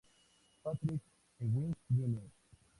Patrick Ewing, Jr.